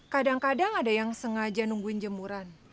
kadang kadang ada yang sengaja nungguin jemuran